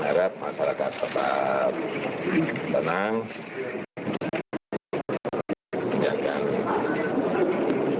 kalau sudah laporan saya sampai nanti lagi